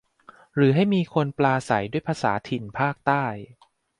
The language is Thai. หรือให้มีคนปราศัยด้วยภาษาถิ่นภาคใต้